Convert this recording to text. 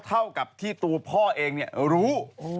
เท่ากับที่ตัวพ่อเองรู้